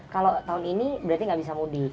kalau tahun ini berarti nggak bisa mudik